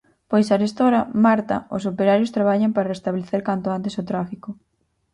Pois arestora Marta os operarios traballan para restablecer canto antes o tráfico.